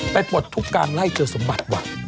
ปลดทุกการไล่เจอสมบัติว่ะ